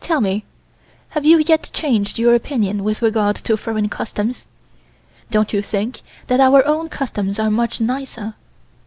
Tell me, have you yet changed your opinion with regard to foreign customs? Don't you think that our own customs are much nicer?"